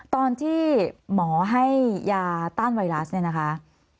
ตอนที่หมอให้ยาต้านไวรัสเนี่ยนะคะ